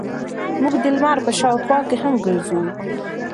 موږ د لمر په شاوخوا کې هم ګرځو.